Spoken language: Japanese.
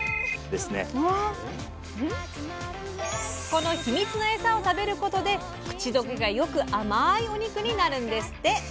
このヒミツのエサを食べることで口どけがよく甘いお肉になるんですって！